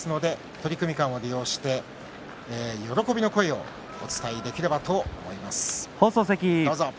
取組間を利用して喜びの声をお伝えできればと思います。